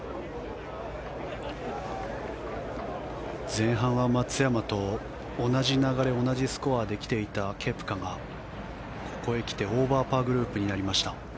前半は松山と同じ流れ、同じスコアで来ていたケプカがここへ来てオーバーパーグループになりました。